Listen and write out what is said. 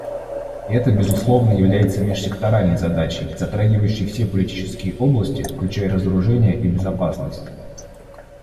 Это, безусловно, является межсекторальной задачей, затрагивающей все политические области, включая разоружение и безопасность.